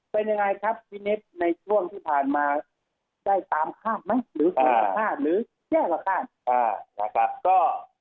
เป็นยังไงครับฟิเน็ตในช่วงที่ผ่านมาได้ตามคาดไหมหรือแย่กว่าคาด